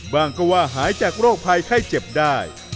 ว่าก็ว่าหายจากโรคภัยไข้เจ็บได้